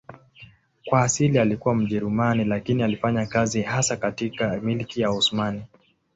Kwa asili alikuwa Mjerumani lakini alifanya kazi hasa katika Milki ya Osmani.